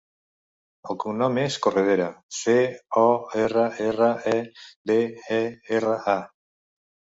El cognom és Corredera: ce, o, erra, erra, e, de, e, erra, a.